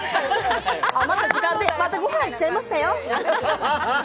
余った時間でまたご飯行っちゃいましたよ。